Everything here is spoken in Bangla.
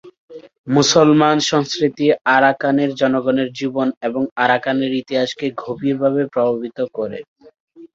মুসলমান সংস্কৃতি আরাকানের জনগণের জীবন এবং আরাকানের ইতিহাসকে গভীরভাবে প্রভাবিত করে।